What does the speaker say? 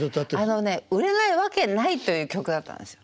あのね売れないわけないという曲だったんですよ。